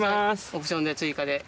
オプションで追加で。